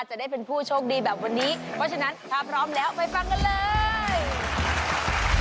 จะได้เป็นผู้โชคดีแบบวันนี้เพราะฉะนั้นถ้าพร้อมแล้วไปฟังกันเลย